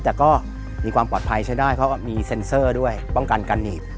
แต่ก็มีความปลอดภัยใช้ได้เพราะมีเซ็นเซอร์ด้วยป้องกันการหนีบ